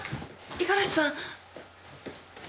五十嵐さん。